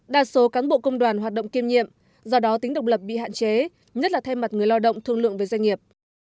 đa số cán bộ công đoàn hoạt động kiêm nhiệm do đó tính độc lập bị hạn chế nhất là thay mặt người lao động thương lượng với doanh nghiệp